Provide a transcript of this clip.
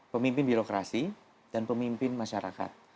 pemimpin birokrasi dan pemimpin masyarakat